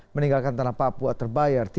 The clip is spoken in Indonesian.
meninggalkan tanah papua terbayar